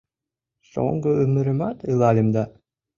Шоҥго ӱмырымат илальым да